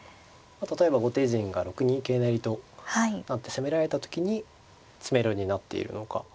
例えば後手陣が６二桂成と成って攻められた時に詰めろになっているのか。